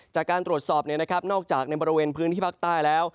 จากการตรวจสอบนอกจากในบริเวณพื้นที่ภาคใต้แล้ว